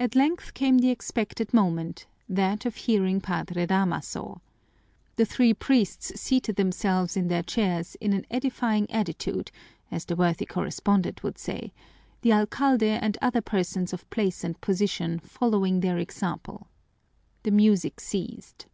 At length came the expected moment, that of hearing Padre Damaso. The three priests seated themselves in their chairs in an edifying attitude, as the worthy correspondent would say, the alcalde and other persons of place and position following their example. The music ceased.